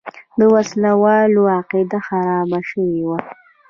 د وسله والو عقیده خرابه شوې وه.